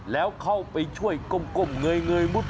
แล้วเข้าไปช่วยก้มเงยมุด